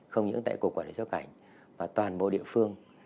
không những tại cục quản lý xuất nhập cảnh mà toàn bộ địa phương